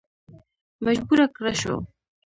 مجبور کړه شو.